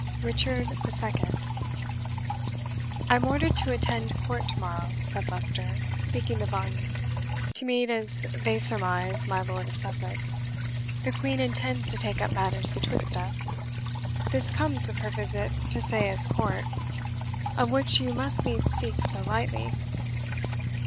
RICHARD II. "I am ordered to attend court to morrow," said Leicester, speaking to Varney, "to meet, as they surmise, my Lord of Sussex. The Queen intends to take up matters betwixt us. This comes of her visit to Sayes Court, of which you must needs speak so lightly."